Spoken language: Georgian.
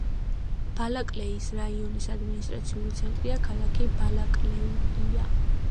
ბალაკლეიის რაიონის ადმინისტრაციული ცენტრია ქალაქი ბალაკლეია.